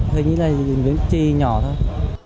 hình như là miếng chi nhỏ thôi